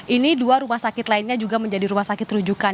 ini dua rumah sakit lainnya juga menjadi rumah sakit rujukan